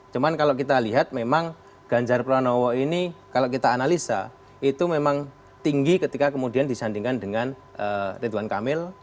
cuma kalau kita lihat memang ganjar pranowo ini kalau kita analisa itu memang tinggi ketika kemudian disandingkan dengan ridwan kamil